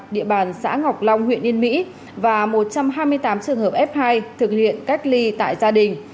địa bàn xã ngọc long huyện yên mỹ và một trăm hai mươi tám trường hợp f hai thực hiện cách ly tại gia đình